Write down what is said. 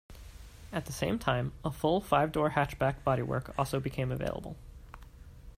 At the same time, a full five-door hatchback bodywork also became available.